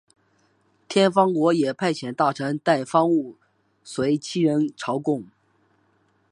天方国也派遣大臣带方物随七人朝贡。